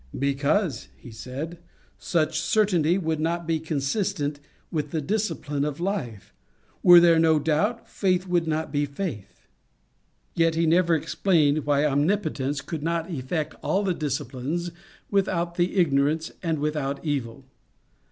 " Because," he said, " such certainty would not be consistent with the discipline of life. Were there no doubt, faith would not be faith." Yet he never explained why omnipotence could ROBERT BROWNING 31 not effect all the discipline without the ignorance, and without evil.